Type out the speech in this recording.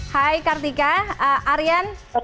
hai kartika aryan